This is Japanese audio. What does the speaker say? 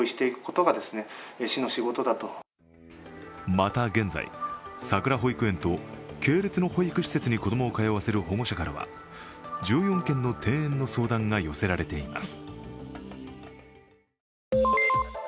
また現在、さくら保育園と系列の保育施設に子供を通わせる保護者からは１４件の転園の相談が寄せられています。